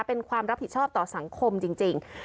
เป็นความรับผิดชอบต่อสังคมจริง